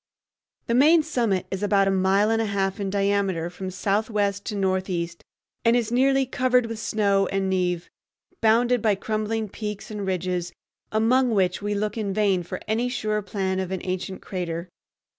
The main summit is about a mile and a half in diameter from southwest to northeast, and is nearly covered with snow and névé, bounded by crumbling peaks and ridges, among which we look in vain for any sure plan of an ancient crater.